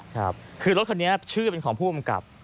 ครับคือรถคันนี้ชื่อเป็นของผู้กำกับ